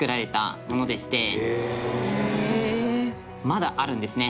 まだあるんですね。